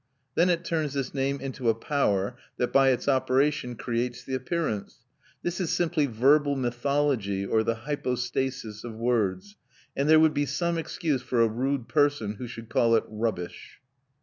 Then it turns this name into a power, that by its operation creates the appearance. This is simply verbal mythology or the hypostasis of words, and there would be some excuse for a rude person who should call it rubbish.